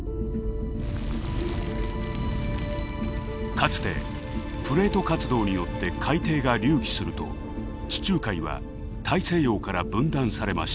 かつてプレート活動によって海底が隆起すると地中海は大西洋から分断されました。